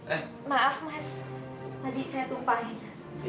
maaf mas tadi saya tumpahin